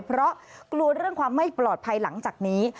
เพราะกลัวเรื่องความไม่ปลอดภัยหลังจากนี้